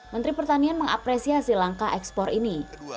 menteri pertanian mengapresiasi langkah ekspor ini